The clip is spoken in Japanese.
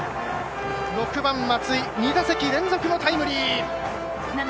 ６番、松井２打席連続のタイムリー。